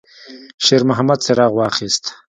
شېرمحمد څراغ واخیست.